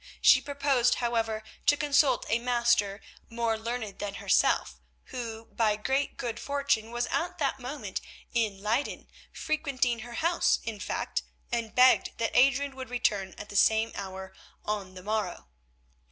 She proposed, however, to consult a Master more learned than herself, who, by great good fortune, was at that moment in Leyden, frequenting her house in fact, and begged that Adrian would return at the same hour on the morrow.